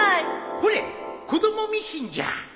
ほれ子どもミシンじゃ